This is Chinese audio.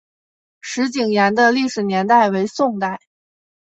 石井岩的历史年代为宋代。